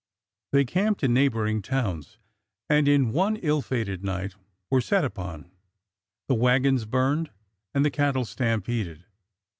They camped in neighboring towns, and in one ill fated night were set upon, the wagons burned, and the cattle stampeded.